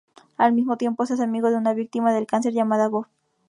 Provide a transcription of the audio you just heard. Al mismo tiempo, se hace amigo de una víctima del cáncer llamada Bob.